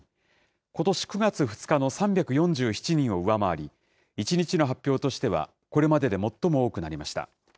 ことし９月２日の３４７人を上回り、１日の発表としてはこれまでで最も多くなりました。